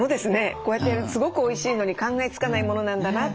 こうやってすごくおいしいのに考えつかないものなんだなって。